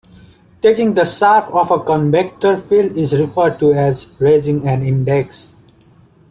Taking the sharp of a covector field is referred to as "raising an index".